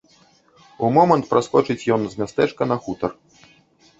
У момант праскочыць ён з мястэчка на хутар.